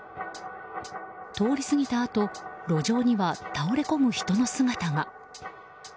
通り過ぎたあと路上には倒れこむ人の姿が。